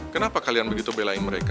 kenapa kalian begitu belain mereka